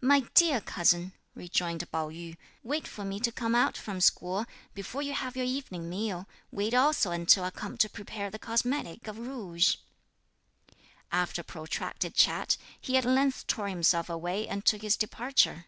"My dear cousin," rejoined Pao yü, "wait for me to come out from school, before you have your evening meal; wait also until I come to prepare the cosmetic of rouge." After a protracted chat, he at length tore himself away and took his departure.